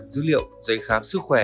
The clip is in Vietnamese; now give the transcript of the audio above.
dữ liệu dây khám sức khỏe